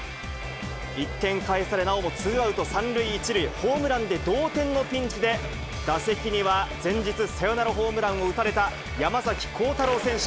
１点返され、なおもツーアウト３塁１塁、ホームランで同点のピンチで、打席には前日、サヨナラホームランを打たれた山崎晃大朗選手。